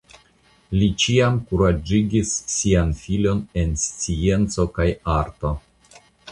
Li ĉiam kuraĝigis sian filon en scienco kaj arto.